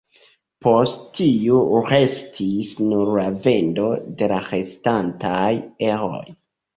Post tio restis nur la vendo de la restantaj eroj.